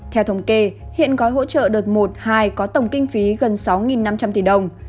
theo thống kê hiện gói hỗ trợ đợt một hai có tổng kinh phí gần sáu năm trăm linh tỷ đồng